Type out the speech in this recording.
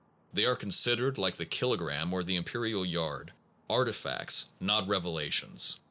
They are considered, like the kilogram or the imperial yard, artefacts, not revelations.